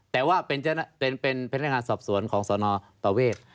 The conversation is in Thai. แต่ว่าเป็นพนักงานสอบสวนของสนประเวท